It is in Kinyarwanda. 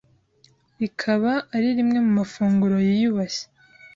rikaba ari rimwe mu mafunguro yiyubashye,